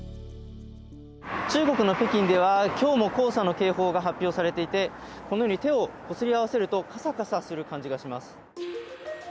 中国の北京では今日も黄砂の警報が発表されていて、このように手をこすり合わせるとカサカサするような気がします。